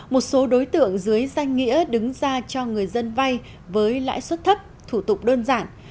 một số đối tượng dưới danh nghĩa đứng ra cho người dân vay với lãi suất thấp thủ tục đơn giản